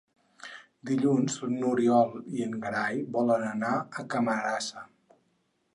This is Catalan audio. Dilluns n'Oriol i en Gerai volen anar a Camarasa.